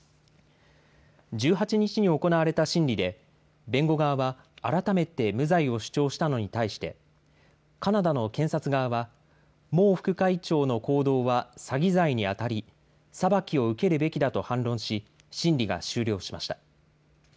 １８日に行われた審理で弁護側は改めて無罪を主張したのに対してカナダの検察側は孟副会長の行動は詐欺罪にあたり裁きを受けるべきだと反論し、審理が終了しました。